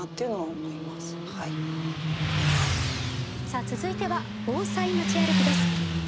さあ続いては「防災まち歩き」です。